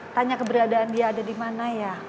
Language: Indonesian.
tanya keberadaan dia ada dimana ya